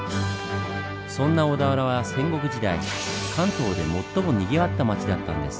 そんな小田原は戦国時代関東で最もにぎわった町だったんです。